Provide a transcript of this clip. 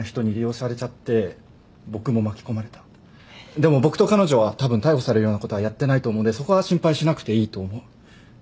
でも僕と彼女はたぶん逮捕されるようなことはやってないと思うんでそこは心配しなくていいと思う。